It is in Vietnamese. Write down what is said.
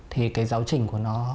thì cái giáo trình của nó